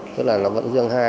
tức là nó vẫn dương hai